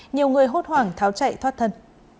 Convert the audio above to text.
nhiều người hốt hoảng tháo chạy thoát thân